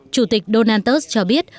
chủ tịch donald trump cho biết